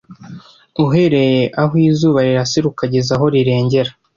Uhereye aho izuba rirasira ukageza aho rirengera